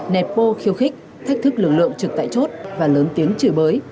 nẹp bô khiêu khích thách thức lực lượng trực tại chốt và lớn tiếng chửi bới